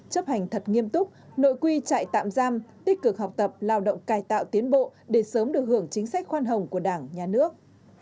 chấp hành thật nghiêm túc nội quy trại tạm giam tích cực học tập lao động cài tạo tiến bộ để sớm được hưởng chính sách khoan hồng của đảng nhà nước